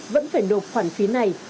vẫn phải nộp khoản phí này